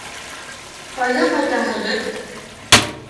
— Ҡайҙа ҡайтаһығыҙ?